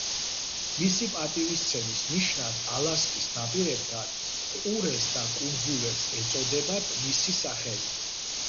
მისი პატივისცემის ნიშნად ალასკის ნაპირებთან ყურეს და კუნძულებს ეწოდებათ მისი სახელი.